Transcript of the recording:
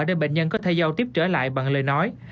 để bệnh nhân có thể giao tiếp trở lại bằng lời nói